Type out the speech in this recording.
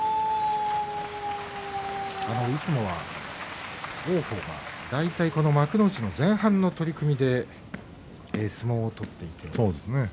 いつもは王鵬が大体この幕内前半の取組で相撲を取っています。